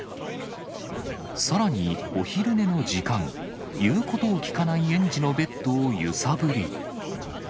さらに、お昼寝の時間、言うことを聞かない園児のベッドを揺さぶり。